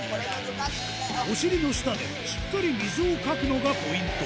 お尻の下でしっかり水をかくのがポイント。